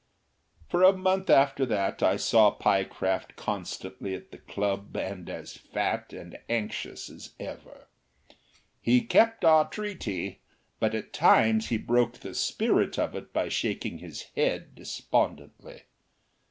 For a month after that I saw Pyecraft constantly at the club and as fat and anxious as ever. He kept our treaty, but at times he broke the spirit of it by shaking his head despondently.